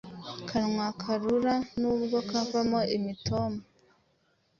Kanwa karura nubwo kavamo imitoma